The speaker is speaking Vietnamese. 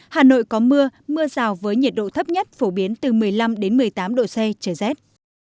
hà nội có mưa mưa rào với nhiệt độ thấp nhất phổ biến từ một mươi năm một mươi tám độ c trời rét